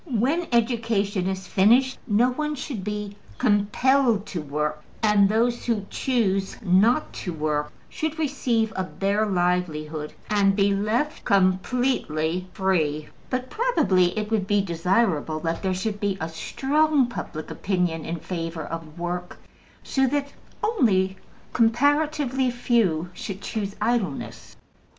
When education is finished no one should be COMPELLED to work, and those who choose not to work should receive a bare livelihood, and be left completely free; but probably it would be desirable that there should be a strong public opinion in favor of work, so that only comparatively few should choose idleness.